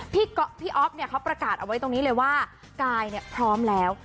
พี่อ๊อฟเนี่ยเขาประกาศเอาไว้ตรงนี้เลยว่ากายพร้อมแล้ว